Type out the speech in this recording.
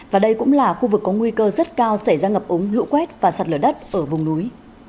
và đây cũng là khu vực có nguy cơ rất cao xảy ra ngập ống lũ quét và sạt lở đất ở vùng núi